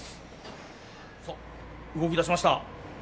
動きだしました。